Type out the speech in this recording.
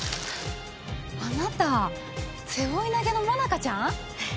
あなた背負い投げの萌奈佳ちゃん？